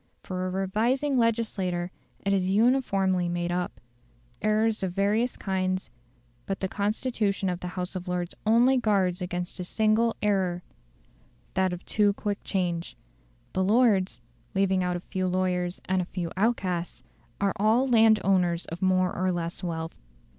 For a revising legislature, it is too uniformly made up. Errors are of various kinds; but the constitution of the House of Lords only guards against a single error that of too quick change. The Lords leaving out a few lawyers and a few outcasts are all landowners of more or less wealth.